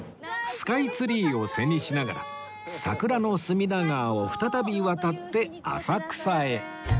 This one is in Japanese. スカイツリーを背にしながら桜の隅田川を再び渡って浅草へ